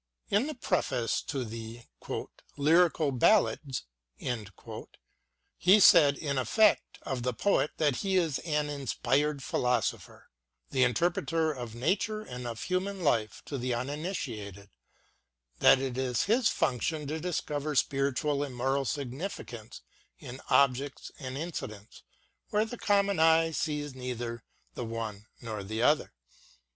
In the preface to the " Lyrical Ballads " he said in effect of the poet that he is an inspired philosopher, the interpreter of Nature and of human life to the uninitiated ; that it is his function to discover spiritual and moral significance in objects and incidents where the common eye sees neither the one nor the other.